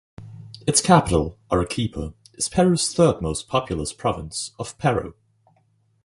Its capital, Arequipa, is Peru's third most populous province of Peru.